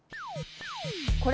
これ。